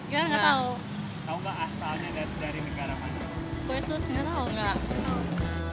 kue sus tidak tahu